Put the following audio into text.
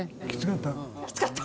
きつかった？